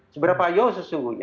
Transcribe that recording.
seberapa yo sesungguhnya